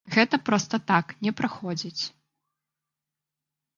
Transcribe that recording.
Гэта проста так не праходзіць.